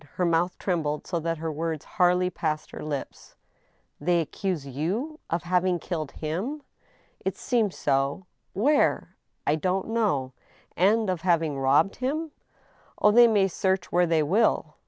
Her mouth trembled so that her words hardly passed her lips. '" They accuse ^^ti^ ... of having killed him ?"" It seems so." "Where?" •« I don't know." " And of having robbed him ?"" Oh, they may search where they will